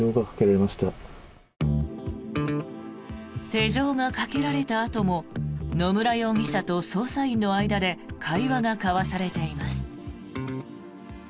手錠がかけられたあとも野村容疑者と捜査員の間で会話が交わされています。